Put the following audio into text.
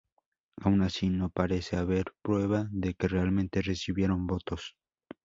Aun así, no parece haber prueba de que realmente recibieron votos.